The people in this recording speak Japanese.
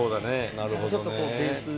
なるほどね。